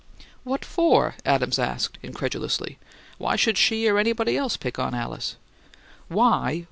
"What for?" Adams asked, incredulously. "Why should she or anybody else pick on Alice?" "'Why?'